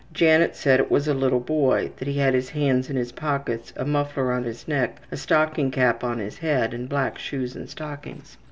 Janet said it was a little boy, that he had his hands in his pockets, a muffler on his neck, a stocking cap on his head, and black shoes and stockings.